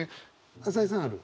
朝井さんある？